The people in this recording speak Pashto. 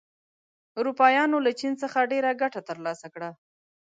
اروپایان له چین څخه ډېره ګټه تر لاسه کړه.